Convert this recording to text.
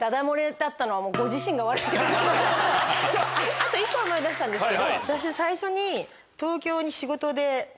あと１個思い出したんですけど私最初に。